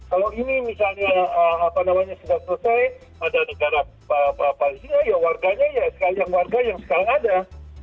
kalau ini misalnya apa namanya sudah selesai ada negara palestina ya warganya ya sekalian warga yang sekarang ada